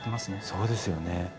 そうですよね。